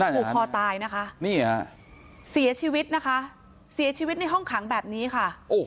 ผูกคอตายนะคะนี่ฮะเสียชีวิตนะคะเสียชีวิตในห้องขังแบบนี้ค่ะ